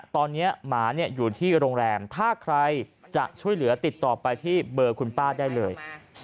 ตอนนี้หมาอยู่ที่โรงแรมถ้าใครจะช่วยเหลือติดต่อไปที่เบอร์คุณป้าได้เลย